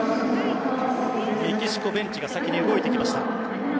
メキシコベンチが先に動いてきました。